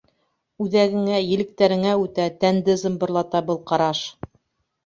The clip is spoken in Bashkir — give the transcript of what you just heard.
Үҙәгеңә, електәреңә үтә, тәнде зымбырлата был ҡараш.